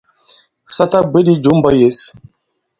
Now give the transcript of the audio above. Sa ta bwě àdi jǒ i mbìyà mwes.